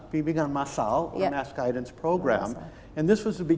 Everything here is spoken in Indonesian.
bimbingan masal atau program pengawasan masal